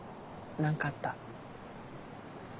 何かあった？